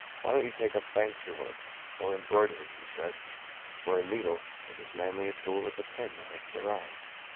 "Why don't you take up fancy work, or embroidery?" he said, "For a needle is as manly a tool as a pen that makes a rhyme!"